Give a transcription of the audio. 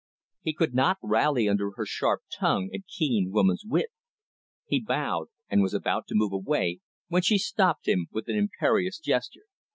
He could not rally under her sharp tongue and keen woman's wit. He bowed, and was about to move away when she stopped him with an imperious gesture.